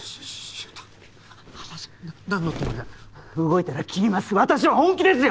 動いたら切ります。